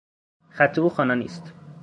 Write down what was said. خط او خوانا نیست.